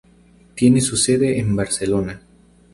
Tiene su sede en Barcelona.